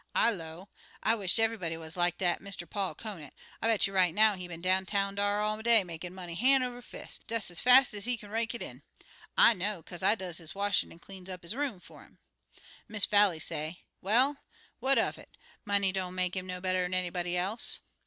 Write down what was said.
"I low, 'I wish eve'ybody wuz like dat Mr. Paul Conant. I bet you right now he been downtown dar all day makin' money han' over fist, des ez fast ez he can rake it in. I know it, kaze I does his washin' and cleans up his room fer 'im.' "Miss Vallie say, 'Well, what uv it? Money don't make 'im no better'n anybody else.'